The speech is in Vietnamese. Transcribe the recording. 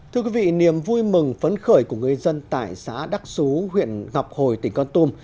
thưa quý vị niềm vui mừng phấn khởi của người dân tại xã đắc xú huyện ngọc hồi tỉnh con tum